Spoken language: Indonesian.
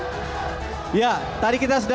ya tadi kita sudah saksikan dan dengar